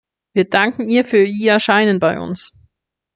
Wir danken ihr für ihr Erscheinen bei uns.